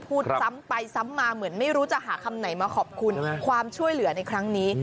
พูดซ้ำไปซ้ำมาเหมือนไม่รู้จะหาคำไหนมาขอบคุณความช่วยเหลือในครั้งนี้